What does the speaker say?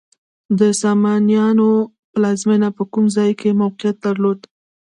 د سامانیانو پلازمینه په کوم ځای کې موقعیت درلود؟